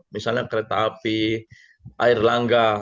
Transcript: misalnya kereta api erlangga